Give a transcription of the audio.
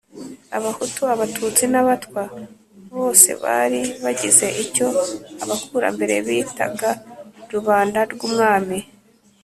Abahutu, Abatutsi n'Abatwa. Bosebari bagize icyo abakurambere bitaga "Rubanda rw'umwami".